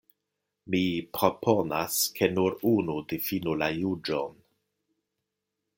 Mi proponas, ke nur unu difinu la juĝon.